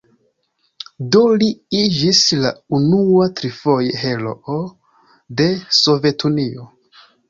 Do li iĝis la unua trifoje heroo de Sovetunio.